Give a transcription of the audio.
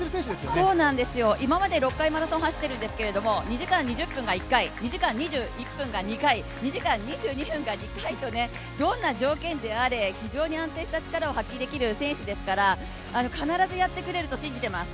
そうなんですよ、今までマラソン６回走ってるんですが２時間２０分が１回、２時間２１分が２回、２時間２２分が２回とどんな条件であれ非常に安定した力を発揮できる選手ですから必ずやってくれると信じています。